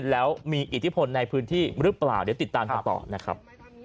แล้วมีอิทธิพลในพื้นที่หรือเปล่าเดี๋ยวติดตามกันต่อนะครับ